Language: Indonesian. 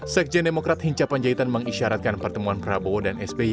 sekjen demokrat hinca panjaitan mengisyaratkan pertemuan prabowo dan sby